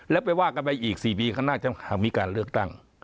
แล้วไปว่ากันไปอีก๔ปีข้างหน้าจะมีการเลือกตั้ง